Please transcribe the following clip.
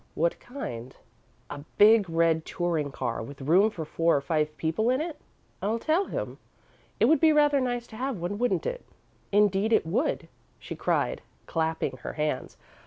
What kind?" "A big red touring car, with room for four or five people in it?" "I'll tell him. It would be rather nice to have one, wouldn't it?" "Indeed it would," she cried, clapping her hands.